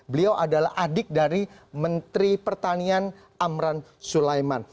beliau adalah adik dari menteri pertanian amran sulaiman